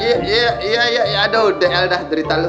ya ya ya ya ya ya udah udah derita lu